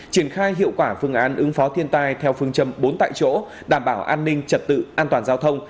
triển khai hiệu quả phương án ứng phó thiên tai theo phương châm bốn tại chỗ đảm bảo an ninh trật tự an toàn giao thông